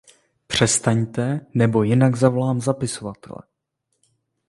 Přestaňte, nebo jinak zavolám zapisovatele!